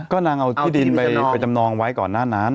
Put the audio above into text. ก็นางเอาที่ดินไปจำนองไว้ก่อนหน้านั้น